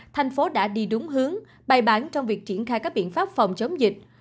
thành phố đã đi đúng hướng bày bán trong việc triển khai các biện pháp phòng chống dịch